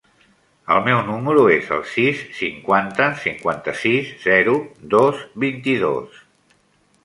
El meu número es el sis, cinquanta, cinquanta-sis, zero, dos, vint-i-dos.